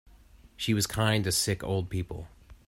She was kind to sick old people.